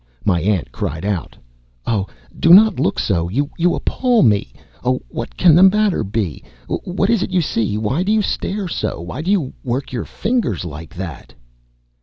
My aunt cried out: "Oh, do not look so! You appal me! Oh, what can the matter be? What is it you see? Why do you stare so? Why do you work your fingers like that?"